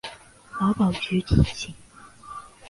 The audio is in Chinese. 劳保局提醒